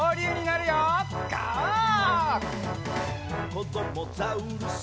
「こどもザウルス